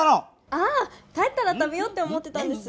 ああ帰ったら食べようって思ってたんです。